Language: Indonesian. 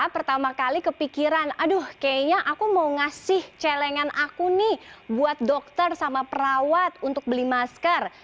pertama kali kepikiran aduh kayaknya aku mau ngasih celengan aku nih buat dokter sama perawat untuk beli masker